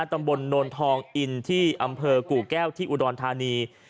ตำบลโนนทองอินที่อำเภอกู่แก้วที่อุดรธานี